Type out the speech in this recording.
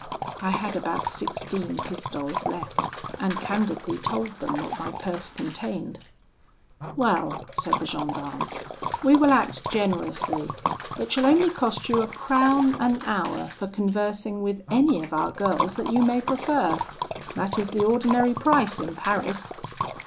I had about sixteen pistoles left, and candidly told them what my purse contained. 'Well,' said the gendarme, 'we will act generously. It shall only cost you a crown an hour for conversing with any of our girls that you may prefer that is the ordinary price in Paris.'